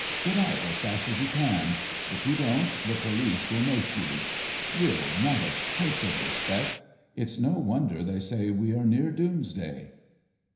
Get out as fast as you can; if you dont the police will make you! Really not a trace of respect! It's no wonder they say we are near doomsday.